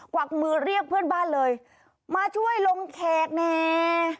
วักมือเรียกเพื่อนบ้านเลยมาช่วยลงแขกแน่